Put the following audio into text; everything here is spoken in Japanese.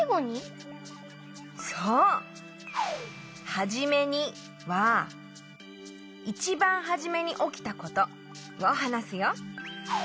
「はじめに」はいちばんはじめにおきたことをはなすよ。